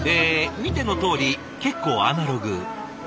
見てのとおり結構アナログ。